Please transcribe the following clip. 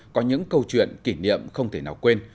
có những câu chuyện kỷ niệm không thể nào quên